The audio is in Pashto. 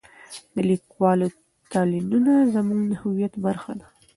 د لیکوالو تلینونه زموږ د هویت برخه ده.